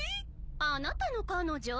あなたの彼女？